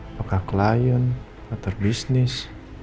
apakah klien atau bisnis